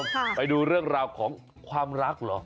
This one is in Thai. อ่ะคุณผู้ชมไปดูเรื่องของรักหรอ